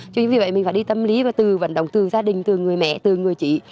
chính vì vậy mình phải đi tâm lý và từ vận động từ gia đình từ người mẹ từ người chị